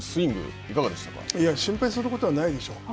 いや、心配することはないでしょう。